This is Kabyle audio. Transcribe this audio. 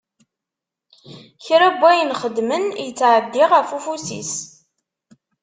Kra n wayen xeddmen, ittɛeddi ɣef ufus-is.